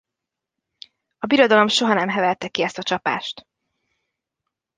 A Birodalom soha nem heverte ki ezt a csapást.